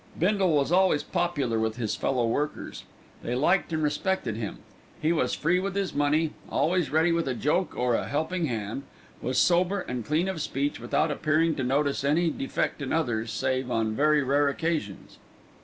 Bindle was always popular with his fellow workers. They liked and respected him. He was free with his money, always ready with a joke or a helping hand, was sober and clean of speech without appearing to notice any defect in others save on very rare occasions.